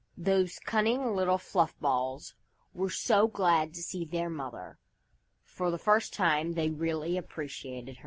Those cunning little fluff balls were so glad to see their mother. For the first time, they really appreciated her.